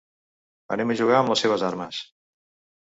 Anem a jugar amb les seves armes.